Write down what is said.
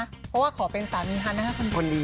เพราะว่าขอเป็นสามีฮาน่าคนเดียว